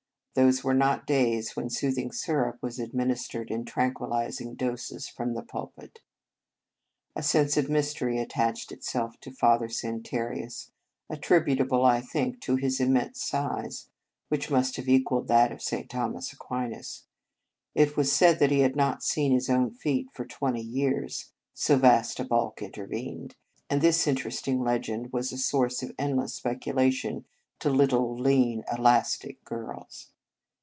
Those were not days when soothing syrup was administered in tranquillizing doses from the pulpit. A sense of mystery attached itself to Father Santarius, attributable, I think, to his immense size? whicfe must have equalled that of St. Thomas Aquinas. It was said that he had not seen his own feet for twenty years (so vast a bulk intervened), and this interesting legend was a source of endless speculation to little, lean, elastic girls.